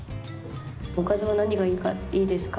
「おかずは何がいいですか？」。